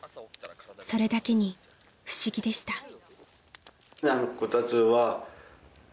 ［それだけに不思議でした］